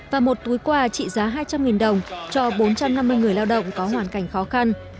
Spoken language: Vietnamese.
và một túi quà trị giá hai trăm linh đồng cho bốn trăm năm mươi người lao động có hoàn cảnh khó khăn